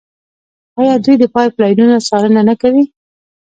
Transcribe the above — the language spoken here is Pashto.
آیا دوی د پایپ لاینونو څارنه نه کوي؟